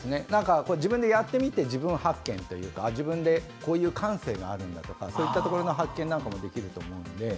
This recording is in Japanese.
自分でやってみて自分発見というかこういう感性があるんだというそういったところの発見もできると思うので。